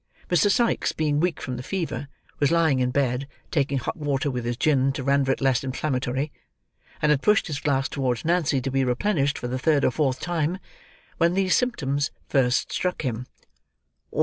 Mr. Sikes being weak from the fever, was lying in bed, taking hot water with his gin to render it less inflammatory; and had pushed his glass towards Nancy to be replenished for the third or fourth time, when these symptoms first struck him.